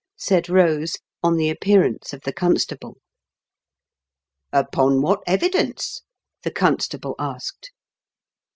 " said Kose, on the appearance of the constable. " Upon what evidence ?" the constable asked.